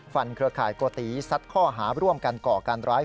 เครือข่ายโกติซัดข้อหาร่วมกันก่อการร้าย